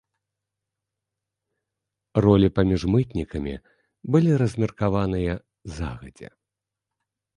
Ролі паміж мытнікамі былі размеркаваныя загадзя.